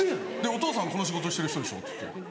「お父さんこの仕事してる人でしょ」っつって。